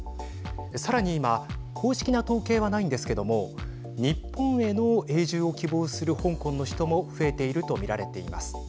さらに今、公式な統計はないんですけども日本への永住を希望する香港の人も増えていると見られています。